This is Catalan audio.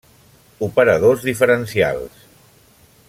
Operadors diferencials.